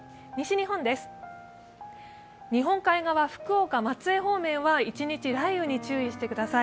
日本海側、福岡、松江方面は一日雷雨に注意してください。